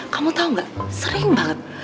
kamu tau gak sering banget